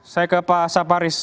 saya ke pak saparis